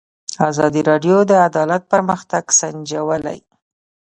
ازادي راډیو د عدالت پرمختګ سنجولی.